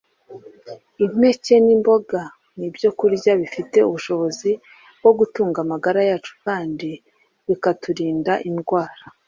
impeke n'imboga nk'ibyokurya bifite ubushobozi bwo gutunga amagara yacu kandi bikaturinda indwara